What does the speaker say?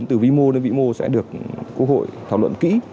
từ vĩ mô đến vĩ mô sẽ được quốc hội thảo luận kỹ